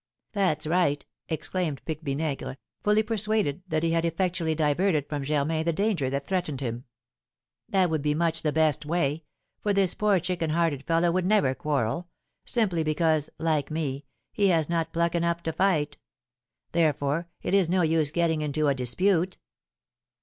"That's right!" exclaimed Pique Vinaigre, fully persuaded that he had effectually diverted from Germain the danger that threatened him; "that would be much the best way! For this poor chicken hearted fellow would never quarrel, simply because, like me, he has not pluck enough to fight; therefore it is no use getting into a dispute."